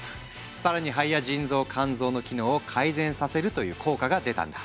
更に肺や腎臓肝臓の機能を改善させるという効果が出たんだ。